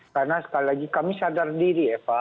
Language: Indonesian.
karena sekali lagi kami sadar diri eva